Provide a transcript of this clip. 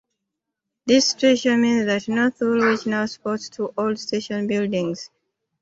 This situation means that North Woolwich now sports two old station buildings.